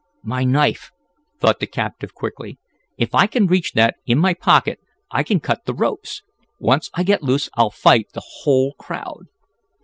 "My knife!" thought the captive quickly. "If I can reach that in my pocket I can cut the ropes! Once I get loose I'll fight the whole crowd!"